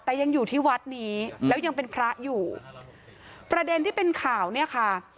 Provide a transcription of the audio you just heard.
แต่ยังอยู่ที่วัดนี้แล้วยังเป็นพระอยู่ประเด็นที่เป็นข่าวเนี่ยค่ะ